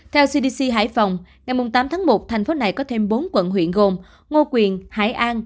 theo cdc hải phòng ngày tám tháng một thành phố này có thêm bốn quận huyện gồm ngô quyền hải an